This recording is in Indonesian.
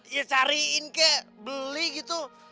iya cariin kek beli gitu